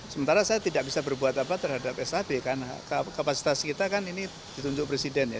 sementara saya tidak bisa berbuat apa terhadap sab karena kapasitas kita kan ini ditunjuk presiden ya